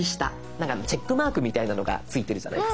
なんかチェックマークみたいなのがついてるじゃないですか。